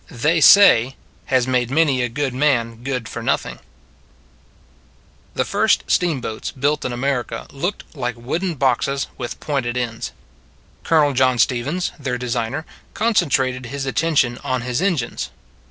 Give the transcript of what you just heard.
"THEY SAY" HAS MADE MANY A GOOD MAN GOOD FOR NOTHING THE first steamboats built in America looked like wooden boxes with pointed ends. Colonel John Stevens, their designer, concentrated his attention on his engines.